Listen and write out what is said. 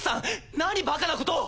何バカなことを！